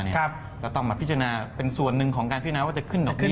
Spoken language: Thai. ก็ต้องมาพิจารณาเป็นส่วนหนึ่งของการพิจารณาว่าจะขึ้นหรือขึ้น